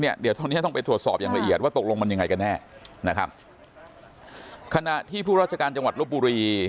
เดี๋ยวตอนนี้ต้องไปตรวจสอบอย่างละเอียดว่าตกลงมันยังไงกันแน่นะครับขณะที่ผู้ราชการจังหวัดลบบุรี